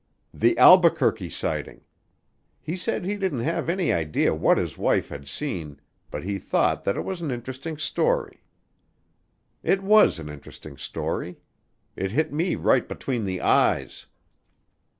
The Albuquerque sighting! He said he didn't have any idea what his wife had seen but he thought that it was an interesting story. It was an interesting story. It hit me right between the eyes.